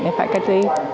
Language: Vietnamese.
thì phải cây ri